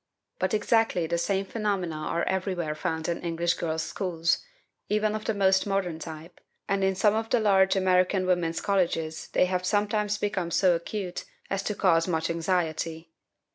But exactly the same phenomena are everywhere found in English girls' schools, even of the most modern type, and in some of the large American women's colleges they have sometimes become so acute as to cause much anxiety.